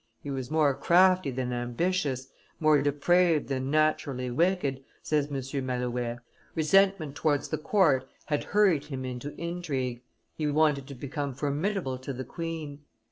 "He was more crafty than ambitious, more depraved than naturally wicked," says M. Malouet: "resentment towards the court had hurried him into intrigue; he wanted to become formidable to the queen.